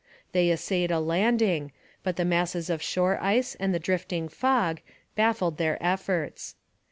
They essayed a landing, but the masses of shore ice and the drifting fog baffled their efforts.